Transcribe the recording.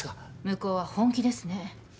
向こうは本気ですね。